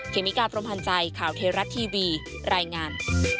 เคมิกาพรมหันใจข่าวเทรัตน์ทีวีรายงาน